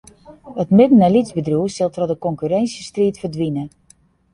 It midden- en lytsbedriuw sil troch de konkurrinsjestriid ferdwine.